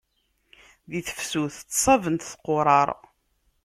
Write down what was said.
Di tefsut ttṣabent tquṛaṛ.